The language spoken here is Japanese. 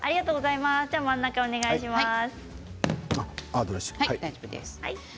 真ん中にお願いします。